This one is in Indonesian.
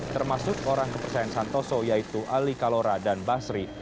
termasuk orang kepercayaan santoso yaitu ali kalora dan basri